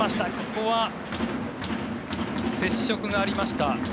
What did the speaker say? ここは接触がありました。